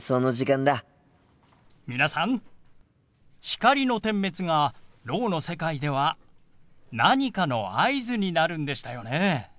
皆さん光の点滅がろうの世界では何かの合図になるんでしたよね。